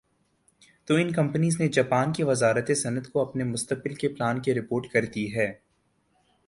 تو ان کمپنیز نےجاپان کی وزارت صنعت کو اپنے مستقبل کے پلان کی رپورٹ کر دی ھے